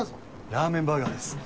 ラーメンバーガーです。